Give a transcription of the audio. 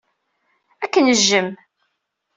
Ad k-nejjem.